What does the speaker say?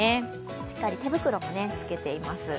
しっかり手袋もつけています。